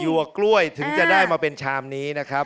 วกกล้วยถึงจะได้มาเป็นชามนี้นะครับ